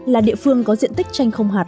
là địa phương có diện tích chanh không hạt